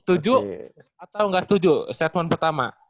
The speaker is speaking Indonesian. setuju atau nggak setuju statement pertama